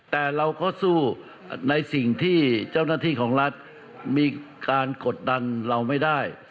แต่เราก็สู้ในสิ่งที่เจ้าหน้าที่ของรัฐมีการกดดันเราไม่ได้